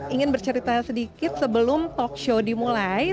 dan saya ingin bercerita sedikit sebelum talkshow dimulai